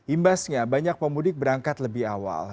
imbasnya banyak pemudik berangkat lebih awal